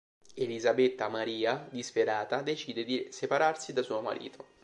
Elisabetta Maria, disperata, decide di separarsi da suo marito.